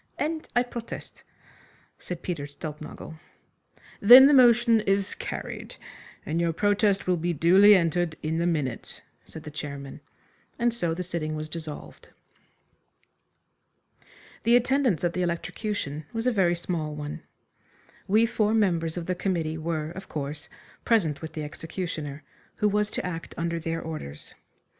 "And I protest," said Peter Stulpnagel. "Then the motion is carried, and your protest will be duly entered in the minutes," said the chairman, and so the sitting was dissolved. The attendance at the electrocution was a very small one. We four members of the committee were, of course, present with the executioner, who was to act under their orders.